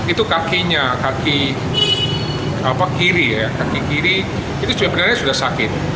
itu kakinya kaki kiri ya kaki kiri itu sebenarnya sudah sakit